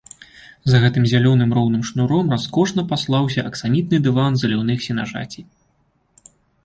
За тым зялёным роўным шнуром раскошна паслаўся аксамітны дыван заліўных сенажацей.